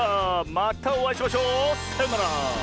またおあいしましょう。さようなら。